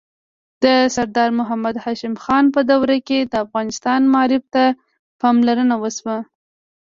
د سردار محمد هاشم خان په دوره کې د افغانستان معارف ته پاملرنه وشوه.